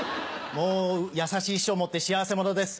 もう優しい師匠を持って幸せ者です。